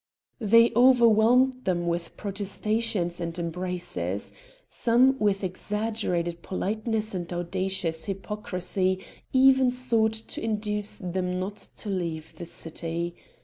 They overwhelmed them with protestations and embraces. Some with exaggerated politeness and audacious hypocrisy even sought to induce them not to leave the city.